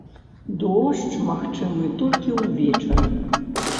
Дождж магчымы толькі ўвечары.